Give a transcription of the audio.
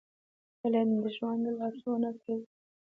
• علم د ژوند لارښوونه کوي.